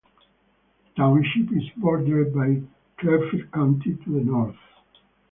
The township is bordered by Clearfield County to the north.